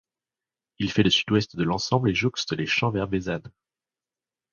Il fait le sud-ouest de l'ensemble et jouxte les champs vers Bezannes.